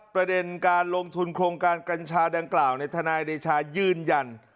ประเด็นการลงทุนโครงการกัญชาดังกล่าวในทนายเดชายืนยัน